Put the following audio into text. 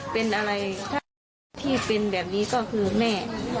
เป็นอะไรถ้าที่เป็นแบบนี้ก็คือแม่